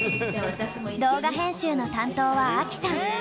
動画編集の担当はアキさん！